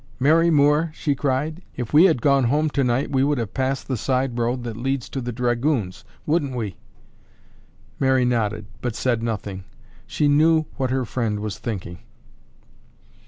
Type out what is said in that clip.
"Mary Moore," she cried, "if we had gone home tonight, we would have passed the side road that leads to 'The Dragoons,' wouldn't we?" Mary nodded, but said nothing. She knew what her friend was thinking.